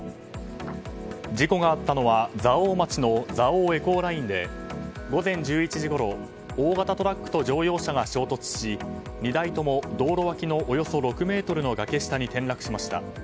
事故があったのは蔵王町の蔵王エコーラインで午前１１時ごろ大型トラックと乗用車が衝突し２台とも道路脇のおよそ６ｍの崖下に転落しました。